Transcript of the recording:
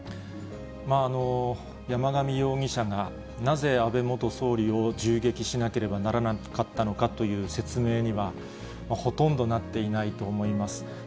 山上容疑者がなぜ安倍元総理を銃撃しなければならなかったのかという説明にはほとんどなっていないと思います。